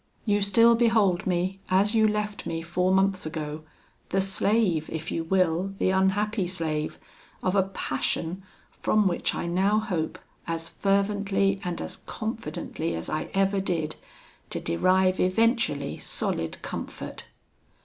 You still behold me, as you left me four months ago, the slave if you will, the unhappy slave of a passion, from which I now hope, as fervently and as confidently as I ever did, to derive eventually solid comfort.'